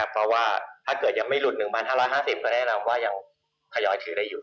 เพราะว่าถ้าเกิดยังไม่หลุด๑๕๕๐ก็แนะนำว่ายังทยอยถือได้อยู่